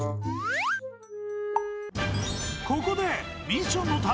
［ここで］